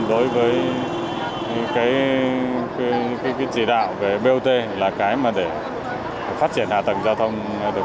đối với cái chỉ đạo về bot là cái mà để phát triển hạ tầng giao thông